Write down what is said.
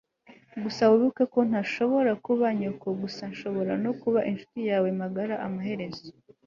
Gusa wibuke ko ntashobora kuba nyoko gusa nshobora no kuba inshuti yawe magara amaherezo